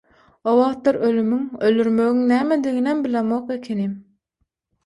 O wagtlar ölümiň, öldürmegiň nämediginem bilemok ekenim.